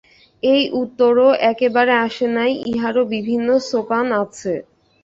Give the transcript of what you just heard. এই উত্তরও একেবারে আসে নাই, ইহারও বিভিন্ন সোপান আছে।